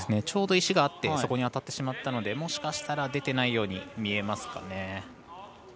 ちょうど石があってそこに当たってしまったのでもしかしたら出てないように見えますかね。